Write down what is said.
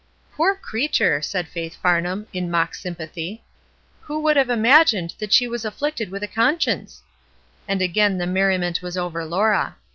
'^ "Poor creature!" said Faith Farnham, in mock sympathy. "Who would have imagined that she was afflicted with a conscience!" And again the merriment was over Laura.